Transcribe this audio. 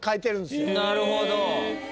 なるほど。